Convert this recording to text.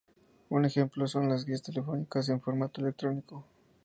Un ejemplo son las guías telefónicas en formato electrónico.